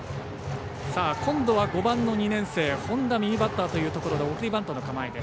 今度は、５番の２年生本田、右バッターというところで送りバントの構え。